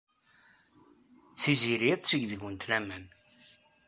Tiziri ad teg deg-went laman.